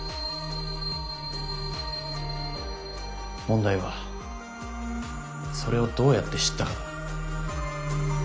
問題はそれをどうやって知ったかだ。